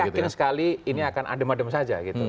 saya yakin sekali ini akan adem adem saja gitu